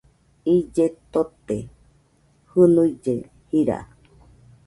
Ille tote, jɨnuille jira